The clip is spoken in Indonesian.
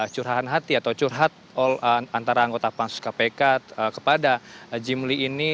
curhatan hati atau curhat antara anggota pansus kpk kepada jimli ini